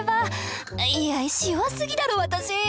いや意志弱すぎだろ私！